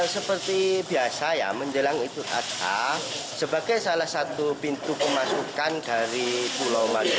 seperti biasa ya menjelang itu ada sebagai salah satu pintu kemasukan dari pulau madura